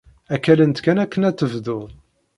Ad k-allent kan akken ad tebdud.